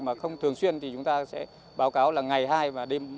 mà không thường xuyên thì chúng ta sẽ báo cáo là ngày hai và đêm hai